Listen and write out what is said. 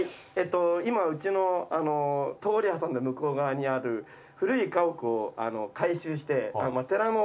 今うちの通り挟んで向こう側にある古い家屋を改修して寺の。